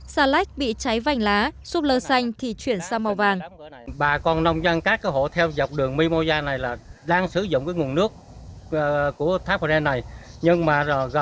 xà lách bị cháy vành lá súp lơ xanh thì chuyển sang màu vàng